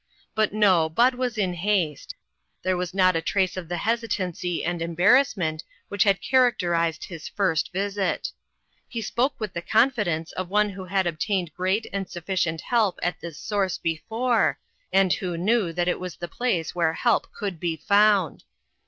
But no, Bud was in haste. There was not a trace of the hesitancy and embarrassment which had characterized his first visit. He spoke with the confidence of one who had obtained great and sufficient help at this source before, and who knew that it was the place where help could be found.